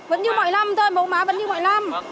vẫn như mọi năm thôi mẫu má vẫn như mọi năm